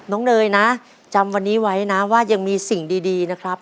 เนยนะจำวันนี้ไว้นะว่ายังมีสิ่งดีนะครับ